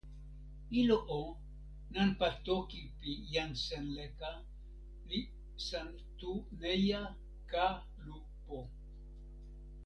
ilo o, nanpa toki pi jan Senleka li San Tu Neja, Ka Lu Po.